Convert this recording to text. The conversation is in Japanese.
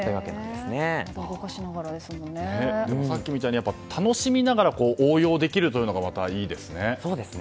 でも、さっきみたいに楽しみながら応用できるのがまた、いいですね。